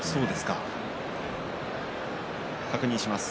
確認します。